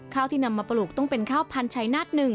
ที่นำมาปลูกต้องเป็นข้าวพันธัยนาศ๑